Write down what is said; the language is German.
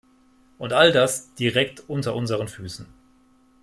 Und all das direkt unter unseren Füßen.